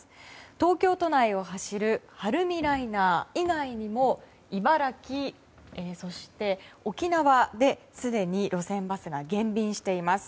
東京都内を走る晴海ライナー以外にも茨城、そして沖縄ですでに路線バスが減便しています。